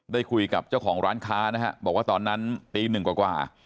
ได้คุยกับเจ้าของร้านค้านะฮะบอกว่าตอนนั้นตีหนึ่งกว่า